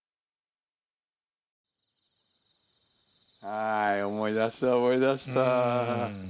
はい思い出した思い出した。